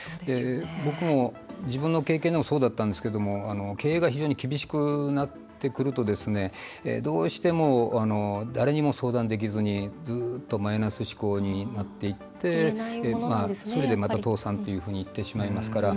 僕も自分の経験でもそうだったんですけども経営が非常に厳しくなってくるとどうしても、誰にも相談できずにずっとマイナス思考になっていってそれで、また倒産というふうにいってしまいますから。